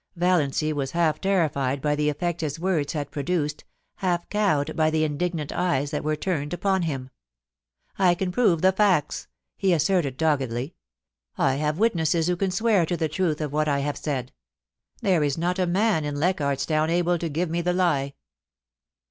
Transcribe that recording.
Vallanq was half terrified by the effect his words had produced, half cowed by the indignant eyes that were turned upon him. * I can prove the facts,' he asserted doggedly. * I have witnesses who can swear to the truth of what I have said There is not a man in Leichardt's Town able to give me the lie.'